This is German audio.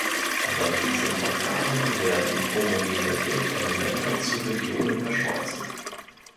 Bei diesem Verfahren werden homogene Bildelemente zu Regionen verschmolzen.